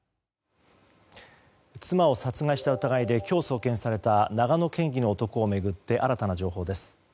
妻を殺害した疑いで今日送検された長野県議の男を巡って新たな情報です。